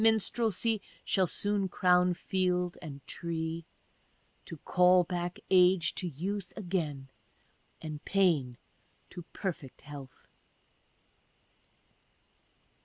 istrelsy Shall soon crown field and tree, To call back age to youth again, and pain to perfect health.